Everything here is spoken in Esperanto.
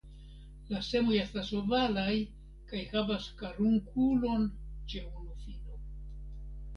La semoj estas ovalaj kaj havas karunkulon ĉe unu fino.